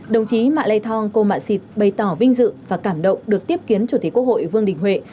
đồng chí ma lê thong cô mạ xịt bày tỏ vinh dự và cảm động được tiếp kiến chủ tịch quốc hội vương đình huệ